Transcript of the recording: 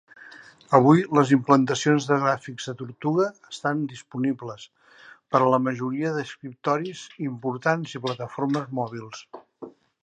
Avui, les implementacions de gràfics de tortuga estan disponibles per a la majoria d'escriptoris importants i plataformes mòbils.